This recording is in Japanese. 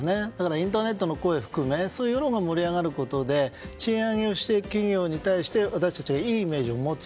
インターネットの声も含めそういう世論が盛り上がることで賃上げをする企業に対して私たちがいいイメージを持つ。